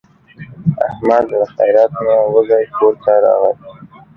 احمد له خیرات نه وږی کورته راغی.